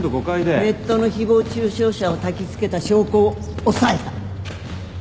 ネットの誹謗中傷者をたきつけた証拠を押さえた。